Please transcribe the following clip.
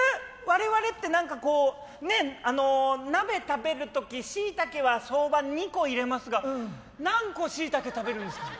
我々って何かこう鍋食べる時しいたけは相場２個入れますが何個しいたけ食べるんですか？